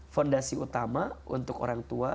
fondasi utama untuk orang tua